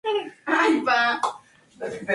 Cerca se encuentra la capilla del Carmen de Corujo.